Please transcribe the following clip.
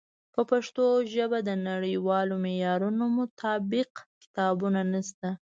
په پښتو ژبه د نړیوالو معیارونو مطابق کتابونه نشته.